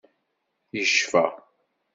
Yecfa.